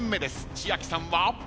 千秋さんは。